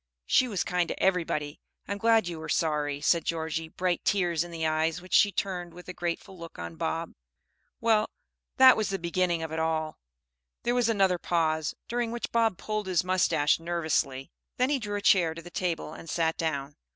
"She was kind to everybody. I am glad you were sorry," said Georgie, bright tears in the eyes which she turned with a grateful look on Bob. "Well, that was the beginning of it all." There was another pause, during which Bob pulled his moustache nervously! Then he drew a chair to the table and sat down.